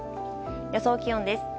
予想気温です。